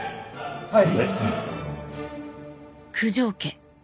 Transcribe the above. はい。